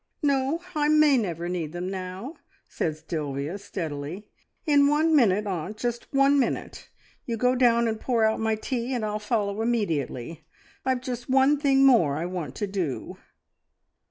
"No, I may never need them now!" said Sylvia steadily. "In one minute, aunt, just one minute. You go down and pour out my tea, and I'll follow immediately. I've just one thing more I want to do."